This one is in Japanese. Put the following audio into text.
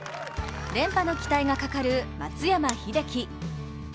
連覇の期待がかかる松山英樹。